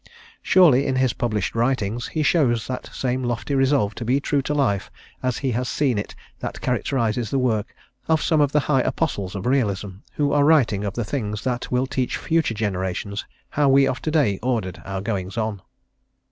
Surely in his published writings he shows that same lofty resolve to be true to life as he has seen it that characterises the work of some of the high Apostles of Realism, who are writing of the things that will teach future generations how we of to day ordered our goings on.